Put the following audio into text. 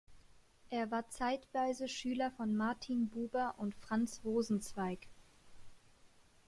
Er war zeitweise Schüler von Martin Buber und Franz Rosenzweig.